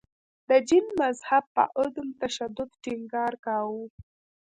د جین مذهب په عدم تشدد ټینګار کاوه.